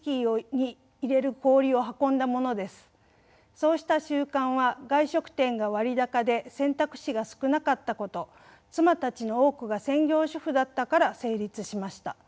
そうした習慣は外食店が割高で選択肢が少なかったこと妻たちの多くが専業主婦だったから成立しました。